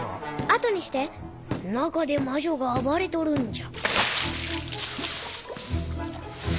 後にして中で魔女が暴れとるんじゃ。